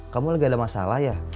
kamu lagi ada masalah ya